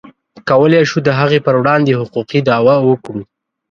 کولی شو د هغې پر وړاندې حقوقي دعوه وکړو.